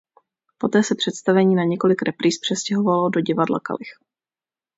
Poté se představení na několik repríz přestěhovalo do Divadla Kalich.